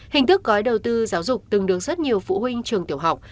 hình thức gói đầu tư giáo dục từng đường rất nhiều phụ huynh trường tiểu học